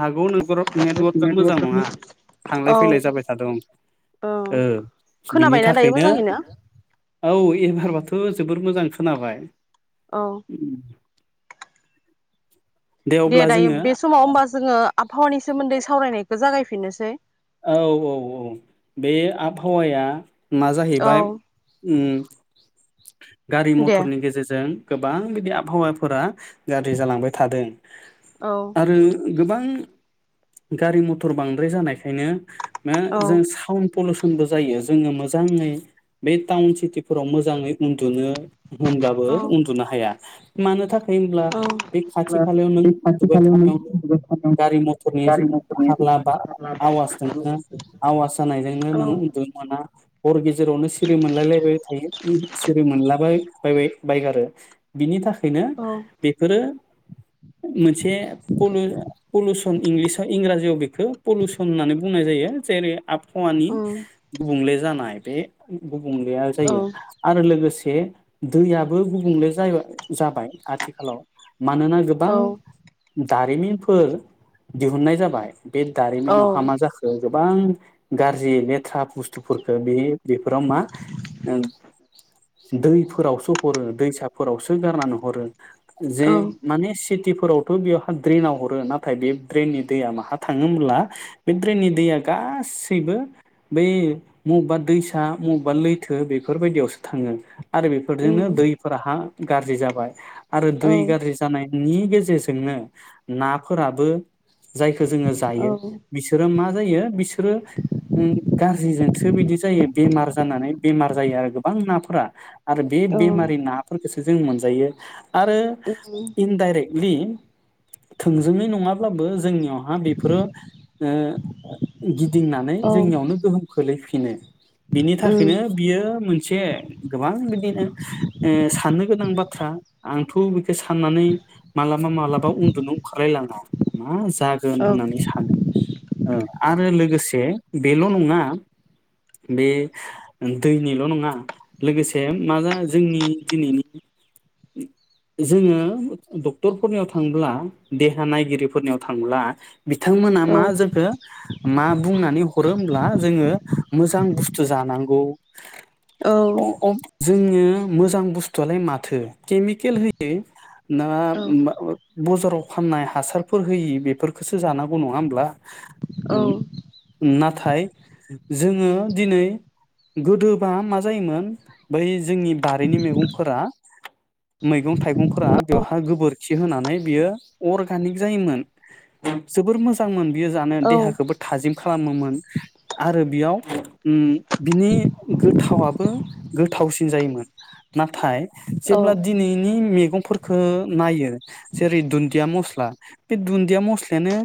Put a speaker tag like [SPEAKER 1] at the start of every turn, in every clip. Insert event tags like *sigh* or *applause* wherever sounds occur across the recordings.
[SPEAKER 1] हागौ न नेटवार्कआ मोजां नङा
[SPEAKER 2] औ
[SPEAKER 1] थांलाय फैलाय जाबाय थादों
[SPEAKER 2] औ
[SPEAKER 1] बिनि
[SPEAKER 2] खोनाबायना दायो
[SPEAKER 1] थाखायनो
[SPEAKER 2] मोजाङैनो
[SPEAKER 1] औ एबारबाथ' खो जोबोर मोजां खोनाबाय। *inaudible*
[SPEAKER 2] औ दे
[SPEAKER 1] अब्ला
[SPEAKER 2] दायो
[SPEAKER 1] जोङो
[SPEAKER 2] बे समाव होमबा जोङो आबहावानि सोमोन्दै सावरायनायखौ जागायफि फिननोसै।
[SPEAKER 1] औ औ औ बे आबहावाया मा
[SPEAKER 2] औ
[SPEAKER 1] जाहैबाय उम गारि
[SPEAKER 2] दे
[SPEAKER 1] मथरनि गेजेरजों गोबां बिदि आबहावाफोरा गाज्रि जालांबाय थादों।
[SPEAKER 2] औ
[SPEAKER 1] आरो गोबां गारि मथर बांद्राय जानाय खायनो नो
[SPEAKER 2] औ
[SPEAKER 1] जों साउन पलस बो जायो जोङो मोजाङै बे टाउन सिटिफोराव मोजाङै उन्दुनो। होमब्लाबो
[SPEAKER 2] औ
[SPEAKER 1] उन्दुनो हाया। मानो थाखा खाय होनब्ला
[SPEAKER 2] औ
[SPEAKER 1] बे खाथि खालायाव नों
[SPEAKER 2] बे खाथि
[SPEAKER 1] उन्दुबबाय
[SPEAKER 2] खालायावनो
[SPEAKER 1] थानायावनो
[SPEAKER 2] उन्दुबाय थानाय
[SPEAKER 1] गारि मथरनि
[SPEAKER 2] गारि
[SPEAKER 1] जुग
[SPEAKER 2] मथरनि
[SPEAKER 1] हाग्ला बा
[SPEAKER 2] हारला
[SPEAKER 1] आवाजजोंनो आवास जानायजोंनो
[SPEAKER 2] औ
[SPEAKER 1] नोंङो उन्दुनो मोना हर गेजेरावनो सिरि मोनलायलायबाय थायो सिरि मोनलायबाय। बाय बाय बायगारो बिनि थाखाय बेनो
[SPEAKER 2] औ
[SPEAKER 1] बेफोरो मोनसे पलु पलुस इंलिस इंराजियाव बेखौ पलिउसन होननानै बुंनाय जायो जेरै आप हावानि
[SPEAKER 2] उम
[SPEAKER 1] गुबुंले जानाय बे गुबुंलेया
[SPEAKER 2] औ
[SPEAKER 1] जायो आरो लोगोसे बे दैयाबो गुबुंले जाहैबाय जाबाय आथिखालाव मानोना गोबां
[SPEAKER 2] औ
[SPEAKER 1] दारिमिनफोर दिहुननाय जाबाय बे
[SPEAKER 2] औ
[SPEAKER 1] दारिमिनाव हा मा जाखो? गोबां गाज्रि लेथ्रा बुस्थुफोरखौ बे बेफोराव मा ओ दैफोरावसो हरो दैसाफोरावसो गारनानै हरो। जे
[SPEAKER 2] औ
[SPEAKER 1] माने सिटि फोरावथ' बेयावहा ड्रेनाव हरो नाथाय बे ड्रेननि दैया माहा थाङो होनब्ला बे ड्रेननि दैया गासैबो बै मबबा दैसा मबबा लैथो बेफोरबायदियावसो थाङो। आरो बेफोरजोंनो
[SPEAKER 2] उम
[SPEAKER 1] दैफोरा हा गाज्रि जाबाय। आरो
[SPEAKER 2] औ
[SPEAKER 1] दै गाज्रि जानाय नि गेजेरजोंनो नाफोराबो जायखौ जोङो
[SPEAKER 2] औ
[SPEAKER 1] जायो। मा जायो बिसोरो ओं गाज्रिजोंसो बिदि जायो बेमार जानानै बेमार जायो आरो गोबां नाफोरा आरो बे
[SPEAKER 2] उम औ उम औ
[SPEAKER 1] बेमारि नाफोरखौसो जों मोनजायो। आरो
[SPEAKER 2] औ
[SPEAKER 1] इनडाइरेक्टलि थोंजोङै नङाब्लाबो जोंनियावहा बेफोरो ओ गिदिंनानै जोंनियावनो गोहोम खोलैफिनो बिनो बिनि थाखायनो बियो मोनसे गोबां बिदिनो ओ साननो गोनां बाथ्रा आंथ' बेखौ साननानै मालाबा मालाबा उन्दुनो ओंखारलायलाङा मा जागोन होननानै सानो औ आरो लोगोसे बेल' नङा बे दैनिल' नङा लोगोसे मा जा जोंनि दिनैनि जोङो डक्टरफोरनियाव थांब्ला देहा नायगिरिफोरनियाव थांब्ला बिथांमोना मा जोंखो मा बुंनानै हरो होनब्ला जोङो मोजां बुस्थु जानांगौ
[SPEAKER 2] औ
[SPEAKER 1] अ अ जों मोजां बुसथुआलाय माथो केमिकेल होयो ना बजाराव फाननाय हासारफोर होयि बेफोरखौसो जानांगौ नङा होमब ब्ला
[SPEAKER 2] औ
[SPEAKER 1] नाथाय नाथाय जोङो दिनै गोदोबा मा जायोमोन बै जोंनि बारिनि मैगंफोरा मैगं थाइगंफोरा
[SPEAKER 2] औ
[SPEAKER 1] बेवहाय गोबोरखि होनानै बियो अरगानिक जायोमोन जोबबोर मोजां मोन बियो जानो
[SPEAKER 2] औ
[SPEAKER 1] देहाखौबो थाजिम खालामोमोन आरो बियाव उम बिनि गोथावाबो गोथावसिन जायोमोन नाथाय
[SPEAKER 2] औ
[SPEAKER 1] जेब्ला दिनैनि मैगंफोरखौ खौ नायो जेरै दुन्दिया मस्ला बे दुन्दिया मस्लायानो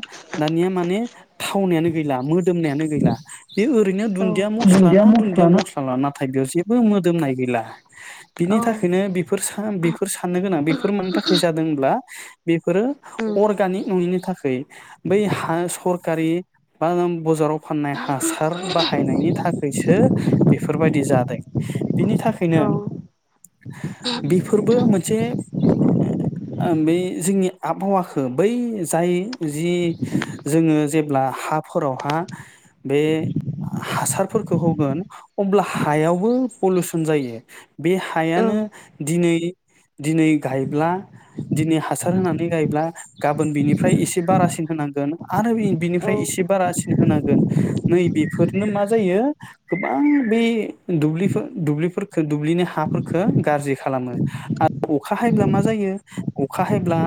[SPEAKER 1] दानिया माने थावनायानो गैला मोदोमनायानो गैला बे ओरैनो दुन्दिया मस्ला ना दुन्दिया मस्ला लाना नाथाय बेयाव जेबो मोदोमनाय गैला बिनि
[SPEAKER 2] औ
[SPEAKER 1] थाखायनो बेफोर बेफोर साननो गोनां बेफोर मानि थाखाय जादोंब्ला बेफोरो
[SPEAKER 2] उम
[SPEAKER 1] अर्गानिक नङिनि थाखाय बै हा सरखारि बा बजाराव फाननाय हासार बाहायनायनि थाखायसो बेफोरबायदि जादों बिनि थाखायनो
[SPEAKER 2] औ
[SPEAKER 1] बेफोरबो मोनसे बै जोंनि आबहावाखौ बै जाय जि जोङो जेब्ला हाफोरावहा बे हासारफोरखौ होगोन अब्ला हायावबो पलिउसन जायो बे
[SPEAKER 2] औ
[SPEAKER 1] हायानो दिनै दिनै गायब्ला दिनै हासार होनानै गायब्ला गाबोन बिनिफ्राय एसे बारासिन होनांगोन आरो बिनिफ्राय इसे बारासिन होनांगोन नै बेफोरनो मा जायो गोबां बे दुब्लिफोर दुब्लिफोरखो दुब्लिनि हाफोरखौ गाज्रि खालामो आरो अखा हायोब्ला
[SPEAKER 2] उम
[SPEAKER 1] मा जायो अखा हायोब्ला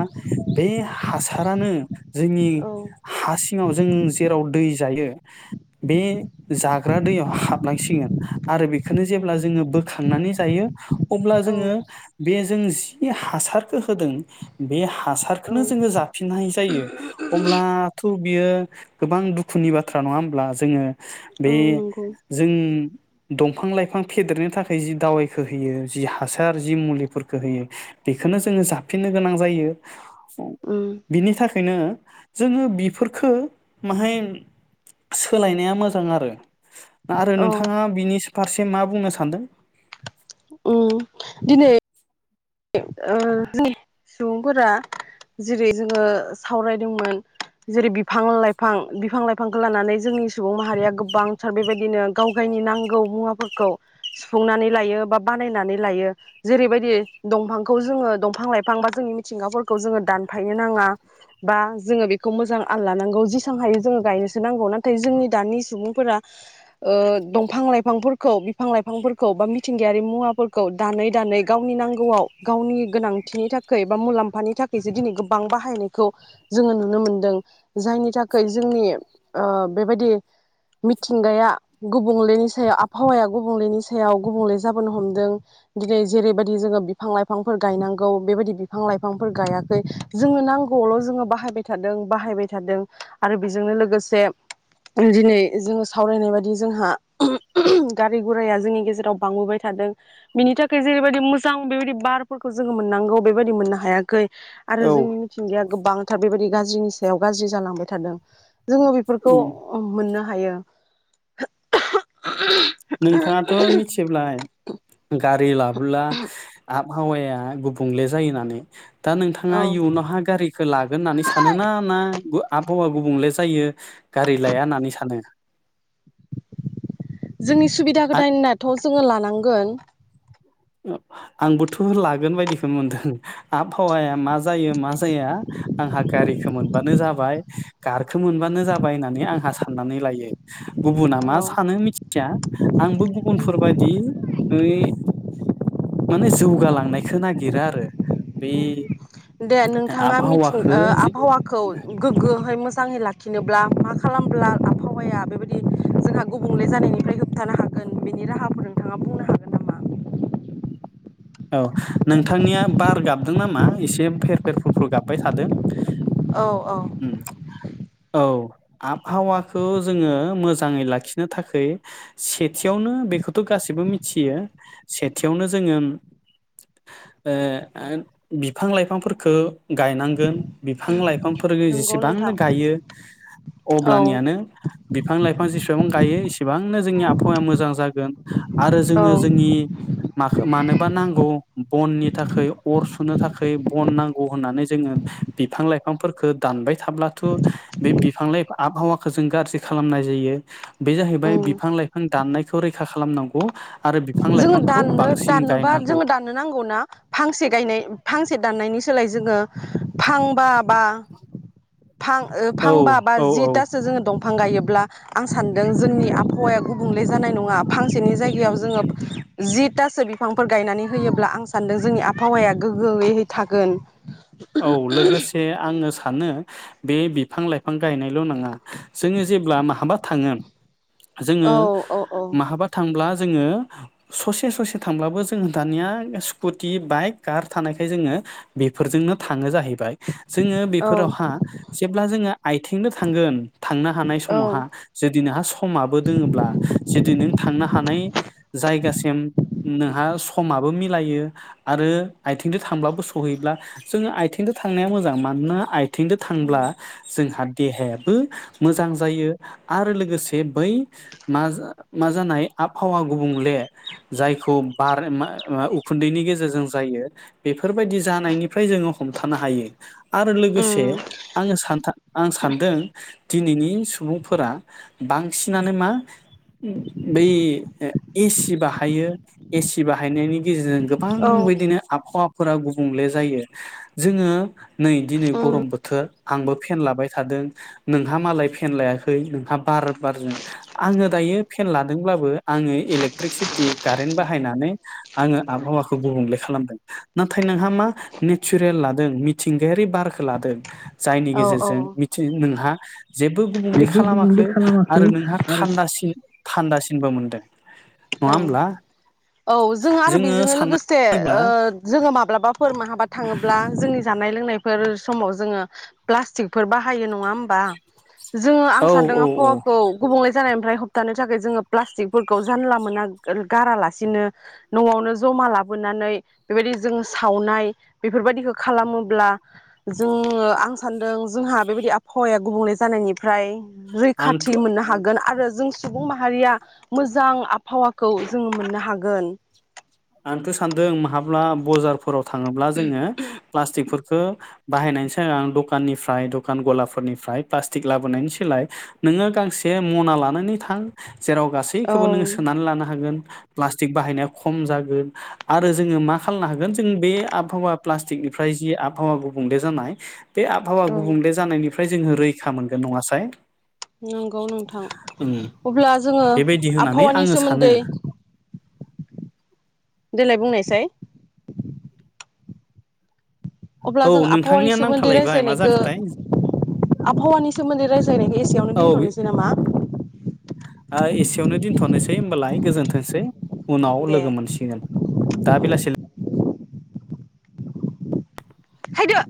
[SPEAKER 1] बे हासारानो जोंनि
[SPEAKER 2] औ
[SPEAKER 1] हा सिङाव जों जेराव दै जायो बे जाग्रा दैयाव हाबलांसिगोन आरो बेखौनो जेब्ला जोङो बोखांनानै जायो अब्ला
[SPEAKER 2] औ
[SPEAKER 1] जोङो बे जों जि हासारखौ होदों बे
[SPEAKER 2] औ
[SPEAKER 1] हासारखौनो जोङो जाफिननाय जायो अब्लाथ' बियो गोबां दुखुनि बाथ्रा नङा होमब्ला जोङो बे
[SPEAKER 2] औ नंगौ
[SPEAKER 1] जों दंफां लाइफां फेदेरनो थाखाय जि दावायखो होयो जि हासार जि मुलिफोरखौ होयो बेखौनो जोङो जाफिननो गोनां जायो
[SPEAKER 2] उम
[SPEAKER 1] बिनि थाखाय ओंखायनो जोङो बेफोरफोरखो माहाय सोलायनाया मोजां आरो आरो
[SPEAKER 2] औ
[SPEAKER 1] नोंथाङा बिनि फारसे मा बुंनो सानदों
[SPEAKER 2] उम दिनै ओ सुबुंफोरा जेरै जोङो सावरायदोंमोन जेरै बिफां-लाइफां। बिफां-लाइफांखौ लानानै जोंनि सुबुं माहारिया गोबांथार बेबायदिनो गाव गायनि नांगौ मुवाफोरखौ सुफुंनानै लायो बा बानायनानै लायो। जेरैबायदि दंफांखौ जोङो दंफां-लाइफां बा जोंनि मिथिंगाफोरखौ जोङो दानफायनो नाङा, बा जोङो बेखौ मोजां आल लानांगौ जेसेबां हायो जोङो गायनोसो नांगौ। नाथाय जोंनि दानि सुबुंफोरा ओ दंफां-लाइफांफोरखौ बिफां-लाइफांफोरखौ बा मिथिंगायारि मुवाफोरखौ दानै-दानै गावनि नां गौवाव गावनि गोनांथिनि थाखाय बा मुलाम्फानि थाखायसो दिनै गोबां बाहायनायखौ जोङो नुनो मोनदों। जायनि थाखाय जोंनि ओ बेबायदि मिथिंगाया गुबुंलेनि सायाव आबहावाया गुबुंलेनि सायाव गुबुंले जाबोनो हमदों। दिनै जेरैबायदि जोङो बिफां-लाइफांफोर गायनांगौ बेबायदि बिफां-लाइफांफोर गायाखै। जोंनो नांगौआवल' जोङो बाहायबाय थादों बाहायबाय थादों आरो बेजोंनो लोगोसे दिनै जोङो सावरायनाय बायदि जोंहा *unintelligible* गारि गुराया जोंनि गेजेराव बांबोबाय थादों बिनि थाखाय जेरैबायदि मोजां बेबायदि बारफोरखौ जोङो मोननांगौ बेबायदि मोननो हायाखै। आरो जोंनि मिथिंगाया गोबां थार बेबायदि गाज्रिनि सायाव गाज्रि जालांबाय थादों। जोङो बेफोरखौ
[SPEAKER 1] उम
[SPEAKER 2] मोननो हायो *inaudible*
[SPEAKER 1] नोंथाङाथ' मिथियोब्लालाय गारि लाबोब्ला आबहावाया गुबुंले जायो होननानै दा नोंथाङा
[SPEAKER 2] औ
[SPEAKER 1] इयुनावहा गारिखौ लागोन होननानै सानो ना ना आबहावा गुबुंले जायो गारि लाया होननानै सानो
[SPEAKER 2] जोंनि सुबिदाखौ *unintelligible*
[SPEAKER 1] आं
[SPEAKER 2] होननाथ' जोङो लानांगोन
[SPEAKER 1] आंबोथ' लागोन बायदिखौ मोनदों आबहावाया मा जायो मा जाया आंहा गारि खौ मोनबानो जाबाय खारखो मोनबानो जाबाय होननानै आंहा साननानै लायो। गुबुना मा
[SPEAKER 2] औ
[SPEAKER 1] सानो मिथिया आंबो गुबुनफोरबायदि माने जौगालांनायखौ नागिरो आरो बेै
[SPEAKER 2] दे नोंथाङा मिथिं आबहावाखौ गोग्गोहै मो जाङै लाखिनोब्ला मा खालामब्ला आबहावाया बेबायदि जोंहा गुबुंले जानायनिफ्राय होबथानो हागोन बेनि राहाफोर नोंथाङा बुंनो हागोन नामा?
[SPEAKER 1] औ नोंथांनिया बार गाबदों नामा? एसे फेर फेर फुर फुर गाबबाय थादों
[SPEAKER 2] औ औ
[SPEAKER 1] उम औ आबहावाखौ जोङो मोजाङै लाखिनो थाखाय सेथियावनो बेखौथ' गासैबो मिथियो सेथियावनो जोङो ओ ओ बिफां-लाइफांफोरखौ गायनांगोन बिफां-लाइफां बिफांफोर
[SPEAKER 2] नंगौ
[SPEAKER 1] जेसेबांनो
[SPEAKER 2] नोंथां
[SPEAKER 1] गायो
[SPEAKER 2] औ
[SPEAKER 1] अब्लानियानो बिफां लाइफां जेसेबां गायो इसेबांनो जोंनि आबहावाया मोजां जागोन आरो
[SPEAKER 2] औ
[SPEAKER 1] जोङो जोंनि माखो मानो *unintelligible* नांगौ, बननि थाखाय अर सुनो थाखाय बन नांगौ होननानै जोङो बिफां लाइफांफोरखौ दानबाय थाब्लाथ' बे बिफां-लाइफां आबहावाखौ जों गाज्रि खालामनाय जायो। बे जाहैबाय
[SPEAKER 2] उम
[SPEAKER 1] बिफां-लाइफां दाननायखौ रैखा खालामनांगौ आरो बिफां
[SPEAKER 2] जोङो
[SPEAKER 1] लाइफांखौ
[SPEAKER 2] दाननो
[SPEAKER 1] बांसिन
[SPEAKER 2] दानो बा
[SPEAKER 1] गायनांगौ
[SPEAKER 2] जोङो दाननो नांगौना फांसे गायनाय फांसे दाननायनि सो लाय जोङो फांबा बा, फां
[SPEAKER 1] औ
[SPEAKER 2] फांबा बा
[SPEAKER 1] औ औ
[SPEAKER 2] जिथासो जोङो दं बिफां गायोब्ला आं सानदों जोंनि आबहावाया गुबुंले जानाय नङा फां फांसेनि जायगायाव जोङो, जि थासो बिफांफोर गायनानै होयोब्ला आं सानदों जोंनि आबहावाया गोग्गोयै थागोन,
[SPEAKER 1] औ लोगोसे आङो सान सानो बे बिफां लाइफां गायनायल' नङा जोङो जेब्ला माहाबा थाङो, जोङो
[SPEAKER 2] औ औ
[SPEAKER 1] माहाबा थांब्ला, जोङो ससे ससे थांब्लाबो जों दानिया स्कुटि बाइक कार थानायखाय जोङो बेफोरजोंनो थाङो जाहैब बाय जोङो
[SPEAKER 2] औ
[SPEAKER 1] बेफोरावहा जेब्ला जोङो आथिंजों थांगोन थांनो हानाय
[SPEAKER 2] औ
[SPEAKER 1] समावहा जुदि नोंहा समाबो दोङोब्ला जुदि नों थांनो हानाय जायगासिम नोंहा स समाबो मिलायो आरो आइथिंजों थांब्लाबो सहैब्ला, जोङो आथिंजों थांनाया मोजां मानोना आइ आइथिं जों
[SPEAKER 2] उम
[SPEAKER 1] थांब्ला जोंहा देहायाबो, मोजां जायो आरो लोगोसे बै मा मा जानाय आबहावा गुबुंले जायखौ बार मा मा उखुन्दैनि गेजेरजों जायो बेफोरबायदि जानायनि, फ्राय जोङो हमथानो हायो आरो लोगोसे
[SPEAKER 2] उम
[SPEAKER 1] आङो सानथा आं सानदों दिनैनि सुबुंफोरा बांसिनानो मा बै एसि बाहायो एसि बाहायनायनि गेजेरजों, गोबां
[SPEAKER 2] औ
[SPEAKER 1] बिदिनो आबहावा, फोर गुबुंले जायो जोङो नै दिनै
[SPEAKER 2] उम
[SPEAKER 1] गरम बोथोर, आंबो फेन लाबाय थादों नोंहा मालाय फेन लायाखै नोंहा बार बारजों आङो दायो फेन लादोंब्लाबो आङो इलेक्ट्रिसिटि, कारेन्ट बाहायनानै आङो आबहावाखौ गुबुंले खालामदों, नाथाय नोंहा मा? नेचारेल लादों मिथिंगायारि बारखौ लादों, जायनि
[SPEAKER 2] औ औ
[SPEAKER 1] गेजेरजों मिथि नोंहा जेबो गुबुंले
[SPEAKER 2] जेबो गुबुंले
[SPEAKER 1] खालामाखै
[SPEAKER 2] खालामाखै
[SPEAKER 1] आरो नोंहा
[SPEAKER 2] आरो
[SPEAKER 1] थान्दासिन, थान्दासिनबो मोनदों, नङा
[SPEAKER 2] औ
[SPEAKER 1] होमब्ला
[SPEAKER 2] औ जोङो आरो बेजोंनो
[SPEAKER 1] साननानै
[SPEAKER 2] लोगोसे
[SPEAKER 1] नायोब्ला
[SPEAKER 2] ओ जोङो माब्लाबाफोर माहाबा थाङोब्ला जोंनि जानाय, जानाय लोंनायफोर समाव जोङो प्लास्टिकफोर बाहायो नङा होनबा, जोङो आं
[SPEAKER 1] औ
[SPEAKER 2] सानदों
[SPEAKER 1] औ औ
[SPEAKER 2] आबहावाखौ गुबुंले, जानायनिफ्राय होबथानो थाखाय जोङो प्लास्टिकफोरखौ जानला मोना गारालासिनो न'आवनो जमा लाबोनानै बेबायदि जोंङो सावनाय बेफोरबायदिखौ खालामोब्ला जों आं सानदों जोंहा बेबायदि आबहावाया गुबुंले जानायनिफ्राय,
[SPEAKER 1] आंथ'
[SPEAKER 2] रैखाथि मोननो हागोन आरो जों सुबुं माहारिया मोजां। आबहावाखौ जोङो मोननो हागोन।
[SPEAKER 1] आंथ' सानदों माब्ला बाजारफोर। आव थाङोब्ला जोङो प्लास्टिकफोर बाहायनायनि सिगां दखाननिफ्राय दखान गलाफोरनिफ्राय प्लास्टिक लाबोनायनि सोलाय नोङो गांसे मना लानानै थां। जेराव
[SPEAKER 2] औ
[SPEAKER 1] गासैखौबो नोङो सोनानै लानो हागोन। प्लासटिक बाहायनाया खम जाग गोन आरो जोङो मा खालामनो हागोन जों बे आबहावा प्लास्टिकनिफ्राय जि आबहावा गुबुंले जानाय। बे आबहावा
[SPEAKER 2] औ
[SPEAKER 1] गुबुंले जानायनि फ्राय जोङो रैखा मोनगोन नङासाय
[SPEAKER 2] नंगौ नोंथां
[SPEAKER 1] ओम
[SPEAKER 2] अब्ला जोङो
[SPEAKER 1] बेबायदि होननानै
[SPEAKER 2] आबहावानि
[SPEAKER 1] आङो सानो
[SPEAKER 2] सोमोन्दै। देलाय बुंनायसाय अब्ला
[SPEAKER 1] औ
[SPEAKER 2] जों आबहावानि
[SPEAKER 1] नोंथांनिया
[SPEAKER 2] सोमोन्दै
[SPEAKER 1] नांथालायबाय मा
[SPEAKER 2] रायज्लायनायखो
[SPEAKER 1] जाखोथाय
[SPEAKER 2] आबहावानि सोमोन्दै रायज्लायनायखो एसेयावनो दोनथनोसै नामा?
[SPEAKER 1] ओ एसेयावनो दोनथनोसै होमबालाय गोजोनथोंसै। उनाव
[SPEAKER 2] दे
[SPEAKER 1] लोगो मोनसिगोन दा बेलासि
[SPEAKER 2] हायदो